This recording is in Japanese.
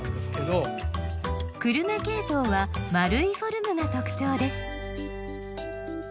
久留米ケイトウは丸いフォルムが特徴です。